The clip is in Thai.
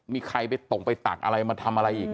มีใครไปตกไปตักอะไรมาทำอะไรอีก